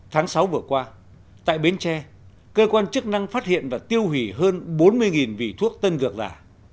tháng sáu vừa qua tại bến tre cơ quan chức năng phát hiện và tiêu hủy hơn bốn mươi vỉ thuốc tân dược giả